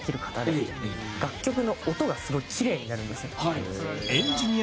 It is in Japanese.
楽曲の音がすごいキレイになるんですよ。